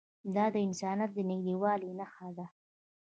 دا د انسانیت د نږدېوالي نښه ده.